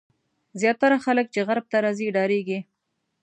زیاتره خلک چې غرب ته راځي ډارېږي.